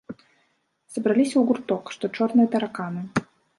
Сабраліся ў гурток, што чорныя тараканы.